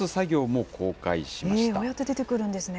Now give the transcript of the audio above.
ああやって出てくるんですね。